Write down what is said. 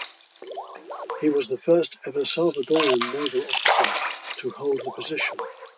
He was the first ever Salvadoran naval officer to hold the position.